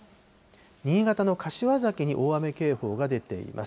新潟の柏崎に大雨警報が出ています。